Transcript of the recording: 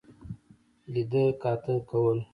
لیده کاته کول.